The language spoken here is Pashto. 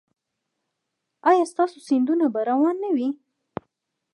ایا ستاسو سیندونه به روان نه وي؟